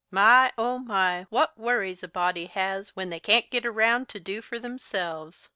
My, oh, my, what worries a body has when they can't git around to do for themselves!